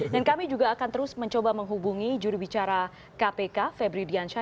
dan kami juga akan terus mencoba menghubungi juru bicara kpk febri diansyah